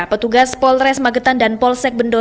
petugas polres magetan dan polsek bendo